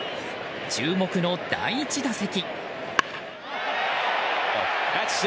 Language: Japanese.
注目の第１打席。